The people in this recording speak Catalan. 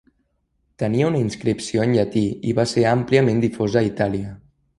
Tenia una inscripció en llatí i va ser àmpliament difosa a Itàlia.